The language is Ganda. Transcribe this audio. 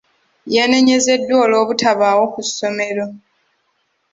Yanenyezeddwa olw'obutabaawo ku ssomero.